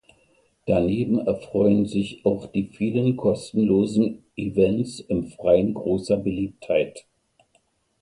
Daneben erfreuen sich auch die viele kostenlosen Events im Freiem großer Beliebtheit.